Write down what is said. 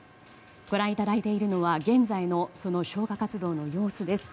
ご覧いただいているのは現在の消火活動の様子です。